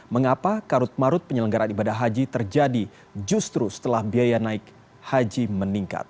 mengapa karut marut penyelenggaran ibadah haji terjadi justru setelah biaya naik haji meningkat